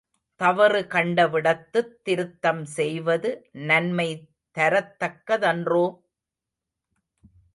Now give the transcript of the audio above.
தவறு கண்ட விடத்துத் திருத்தம் செய்வது நன்மை தரத்தக்க தன்றோ?